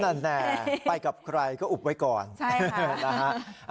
นั่นแน่ไปกับใครก็อุบไว้ก่อนนะฮะ